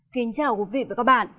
kính chào quý vị và các bạn